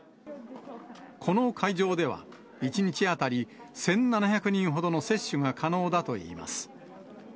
この会場では、１日当たり１７００人ほどの接種が可能だといいます。